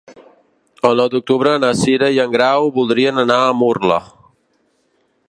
El nou d'octubre na Cira i en Grau voldrien anar a Murla.